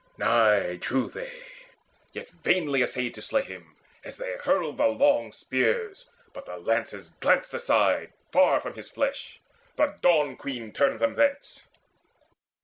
Nigh drew they, Yet vainly essayed to slay him, as they hurled The long spears, but the lances glanced aside Far from his flesh: the Dawn queen turned them thence.